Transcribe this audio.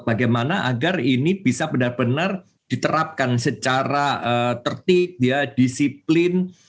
bagaimana agar ini bisa benar benar diterapkan secara tertib disiplin